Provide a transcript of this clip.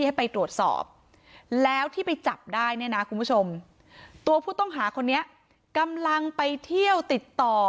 ให้ไปตรวจสอบแล้วที่ไปจับได้เนี่ยนะคุณผู้ชมตัวผู้ต้องหาคนนี้กำลังไปเที่ยวติดต่อ